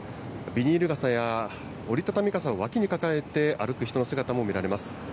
ビニール傘や折り畳み傘を脇に抱えて、歩く人の姿も見られます。